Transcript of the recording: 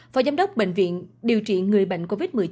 phó giám đốc bệnh viện điều trị người bệnh covid một mươi chín